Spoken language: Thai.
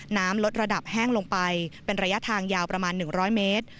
น้ำลดระดับแห้งลงไปเป็นระยะทางยาวประมาณ๑๐๐เมตร